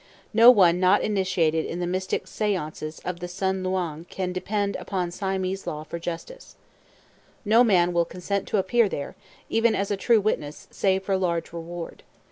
No one not initiated in the mystic séances of the San Luang can depend upon Siamese law for justice. No man will consent to appear there, even as a true witness, save for large reward.